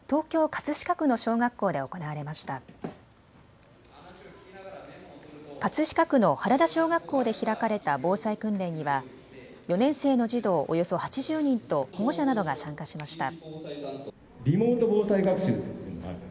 葛飾区の原田小学校で開かれた防災訓練には４年生の児童およそ８０人と保護者などが参加しました。